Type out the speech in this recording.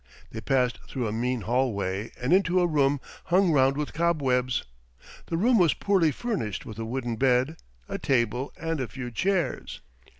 They passed through a mean hallway and into a room hung round with cobwebs. The room was poorly furnished with a wooden bed, a table and a few chairs.